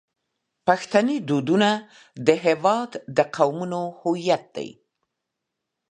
پښتني دودونه د هیواد د قومونو هویت دی.